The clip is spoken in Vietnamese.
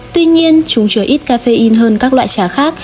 tuy nhiên chúng chứa ít caffeine hơn các loại trà khác